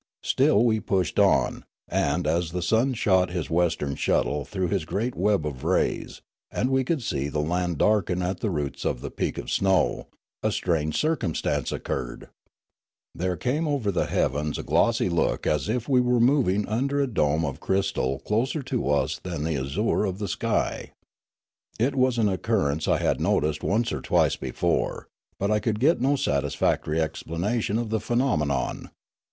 vStill we pushed on, and, as the sun shot his western shuttle through his great web of rays, and we could see the land darken at the roots of the peak of snow, a strange circumstance occurred. There came over the heavens a glossy look as if we were moving under a dome of crystal closer to us than the azure of the sky. It was an occurrence I had noticed once or twice before, but I could get no satisfactory explana tion of the phenomenon.